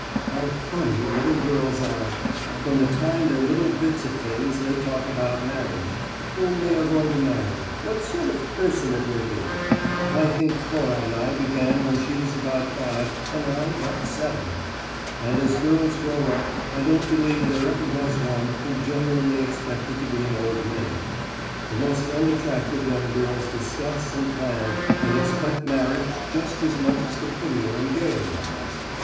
"How funny little girls are! From the time they're little bits of things they talk about marriage whom they are going to marry, what sort of person it will be. I think Cora and I began when she was about five and I not seven. And as girls grow up, I don't believe there was ever one who genuinely expected to be an old maid. The most unattractive young girls discuss and plan and expect marriage just as much as the prettier and gayer ones.